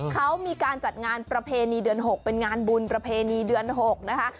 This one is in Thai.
เขามีการจัดงานประเพณีเดือน๖เป็นงานบุญประเพณีเดือน๖นะคะ